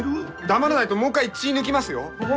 黙らないともう一回血ぃ抜きますよ！